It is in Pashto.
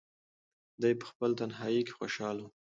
دی په خپل تنهایۍ کې خوشحاله و.